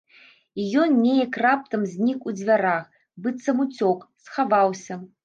І ён неяк раптам знік у дзвярах, быццам уцёк, схаваўся.